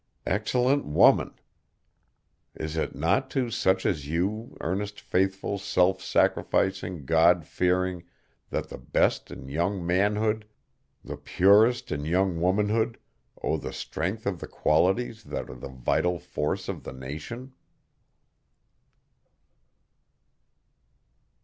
Excellent woman! Is it not to such as you, earnest, faithful, self sacrificing, God fearing, that the best in young manhood, the purest in young womanhood, owe the strength of the qualities that are the vital force of the nation?